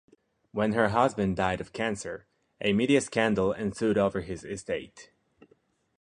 When her husband died of cancer, a media scandal ensued over his estate.